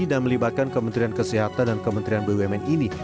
dan melibatkan kementerian kesehatan dan kementerian bumn ini